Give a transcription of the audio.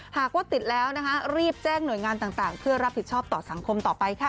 หากว่าติดแล้วนะคะรีบแจ้งหน่วยงานต่างเพื่อรับผิดชอบต่อสังคมต่อไปค่ะ